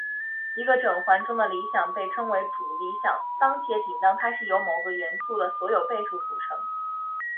一个整环中的理想被称作主理想当且仅当它是由某个元素的所有倍数组成。